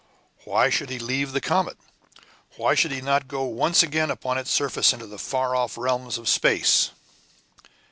Why should he leave the comet? Why should he not go once again upon its surface into the far off realms of space?